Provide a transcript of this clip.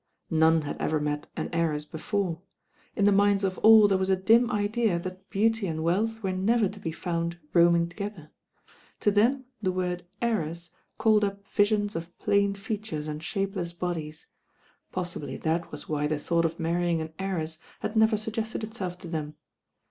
None had ever met an heiress before. In the minds of all there was a dim idea that beauty and wealth were never to be found roaming together. To them the word "heiress" called up visions of plain features and shapeless bodies. Possibly that was why the thought of marrying an heiress had never suggested itself to them.